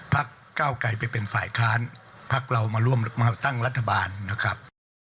พักเก้าไกรไปเป็นฝ่ายค้านพักเรามาร่วมมาตั้งรัฐบาลนะครับ